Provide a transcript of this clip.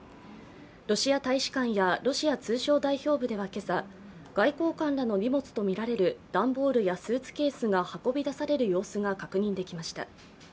ロシア大使館やロシア通商代表部では今朝、外交官らの荷物とみられる段ボールやスーツケースが運び出される様子が確認されました。